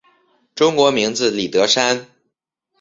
中国名字李德山。